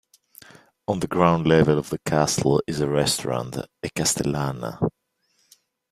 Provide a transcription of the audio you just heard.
On the ground level of the castle is a restaurant "A Castellana".